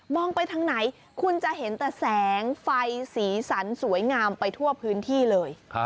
ไปทางไหนคุณจะเห็นแต่แสงไฟสีสันสวยงามไปทั่วพื้นที่เลย